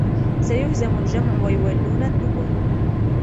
سيهزم الجمع ويولون الدبر